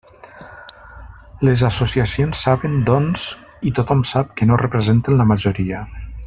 Les associacions saben, doncs, i tothom sap que no representen la majoria.